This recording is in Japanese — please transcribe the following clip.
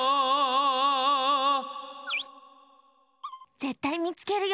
ぜったいみつけるよ。